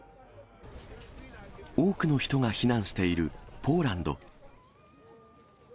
多くの人が避難しているポーランド。